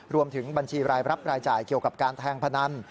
บัญชีรายรับรายจ่ายเกี่ยวกับการแทงพนัน